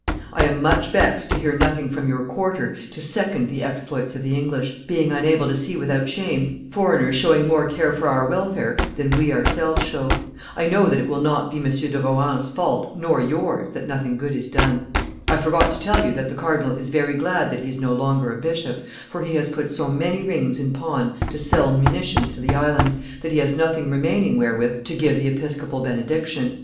I am much vexed to hear nothing from your quarter to second the exploits of the English, being unable to see without shame foreigners showing more care for our welfare than we ourselves show. I know that it will not be M. de Rohan's fault nor yours that nothing good is done. "I forgot to tell you that the cardinal is very glad that he is no longer a bishop, for he has put so many rings in pawn to send munitions to the islands, that he has nothing remaining wherewith to give the episcopal benediction.